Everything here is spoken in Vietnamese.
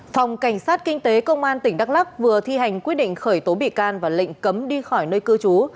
phòng cảnh sát kinh tế công an tỉnh đắk lắc vừa thi hành quyết định khởi tố bị can và lệnh cấm đi khỏi nơi cư trú